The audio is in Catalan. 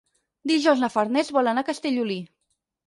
Dijous na Farners vol anar a Castellolí.